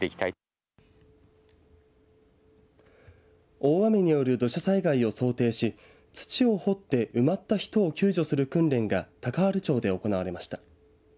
大雨による土砂災害を想定し土を掘って埋まった人を救助する訓練が高原町で行われました。